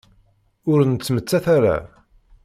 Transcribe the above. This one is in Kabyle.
Ur nettmettat ara.